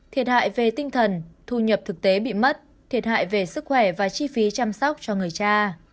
thiệt hại về tinh thần thu nhập thực tế bị mất thiệt hại về sức khỏe và chi phí chăm sóc cho người cha